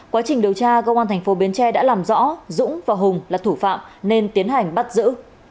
quá trình điều tra cơ quan tp bến tre đã làm rõ dũng và hùng là thủ phạm nên tiến hành bắt giữ